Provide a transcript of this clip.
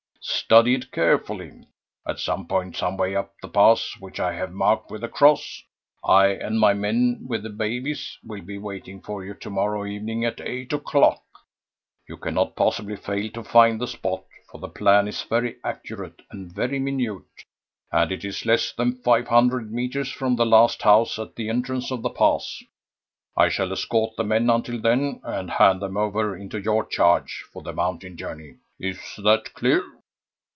Study it carefully. At some point some way up the pass, which I have marked with a cross, I and my men with the 'babies' will be waiting for you to morrow evening at eight o'clock. You cannot possibly fail to find the spot, for the plan is very accurate and very minute, and it is less than five hundred metres from the last house at the entrance of the pass. I shall escort the men until then, and hand them over into your charge for the mountain journey. Is that clear?"